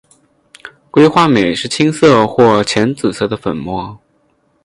硅化镁是青色或浅紫色的粉末。